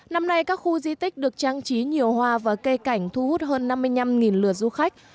năm nay các khu di tích được trang trí nhiều hoa và cây cảnh thu hút hơn năm mươi năm lượt du khách